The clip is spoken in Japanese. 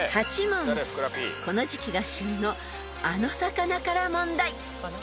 ［この時季が旬のあの魚から問題］